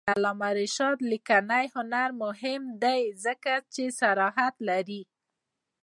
د علامه رشاد لیکنی هنر مهم دی ځکه چې صراحت لري.